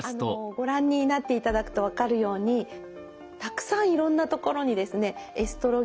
ご覧になっていただくと分かるようにたくさんいろんなところにですねエストロゲン